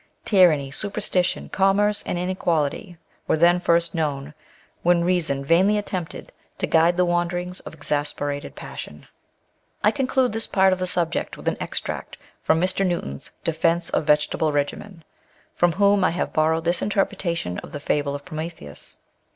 Tyranny, superstitution, commerce, and inequality, were then first known, when reason vainly attempted to guide the wanderings of exacerbated passion. I conclude this part of the subject with an extract from Mr. .Newton's Defence of Vegetable Regimen, from whom I have borrowed this interpretation of the fable of Prometheus.